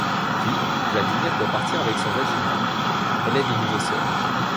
Puis, Vladimir doit partir avec son régiment, elle est de nouveau seule.